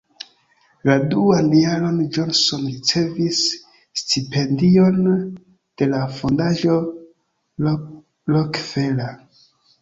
La duan jaron Johnson ricevis stipendion de la fondaĵo Rockefeller.